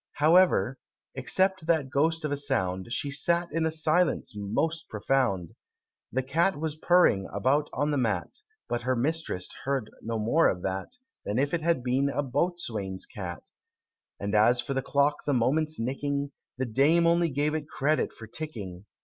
However, except that ghost of a sound, She sat in a silence most profound The cat was purring about the mat, But her Mistress heard no more of that Than if it had been a boatswain's cat; And as for the clock the moments nicking, The Dame only gave it credit for ticking.